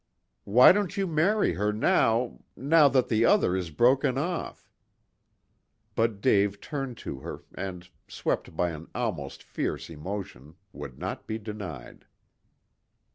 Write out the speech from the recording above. "Why don't you marry her, now now that the other is broken off " But Dave turned to her, and, swept by an almost fierce emotion, would not be denied.